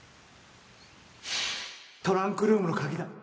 トランクルームの鍵だ。